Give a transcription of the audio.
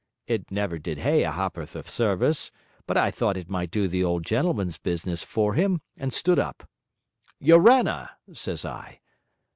It never did Hay a ha'porth of service, but I thought it might do the old gentleman's business for him, and stood up. "Yorana!" says I.